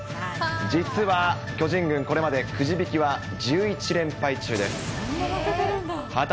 実は巨人軍、これまでくじ引きは１１連敗中です。